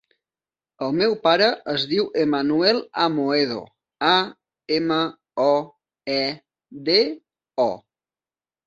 El meu pare es diu Emanuel Amoedo: a, ema, o, e, de, o.